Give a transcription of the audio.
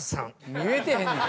言えてへんねん。